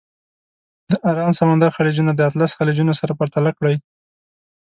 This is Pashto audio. د ارام سمندر خلیجونه د اطلس خلیجونه سره پرتله کړئ.